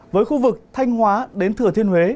với khu vực thanh hóa đến thừa thiên huế